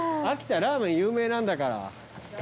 秋田ラーメン有名なんだから。